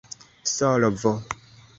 solvo